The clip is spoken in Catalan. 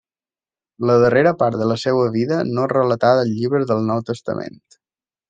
La darrera part de la seua vida no és relatada als llibres del Nou Testament.